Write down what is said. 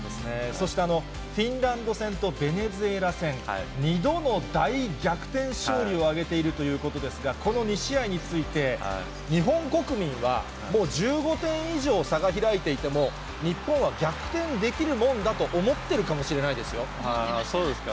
そして、フィンランド戦とベネズエラ戦、２度の大逆転勝利を挙げているということですが、この２試合について、日本国民は、もう１５点以上差が開いていても、日本は逆転できるもんだと思ってそうですか。